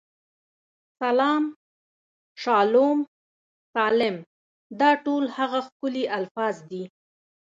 سلام، شالوم، سالم، دا ټول هغه ښکلي الفاظ دي.